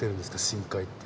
深海って。